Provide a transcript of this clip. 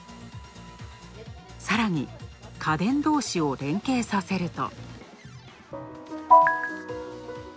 さらに、家電同士を連携させると。